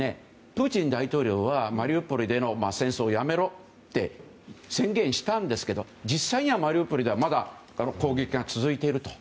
プーチン大統領はマリウポリでの戦闘をやめろって宣言したんですけど実際にはマリウポリでまだ攻撃が続いていると。